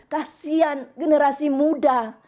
kasian generasi muda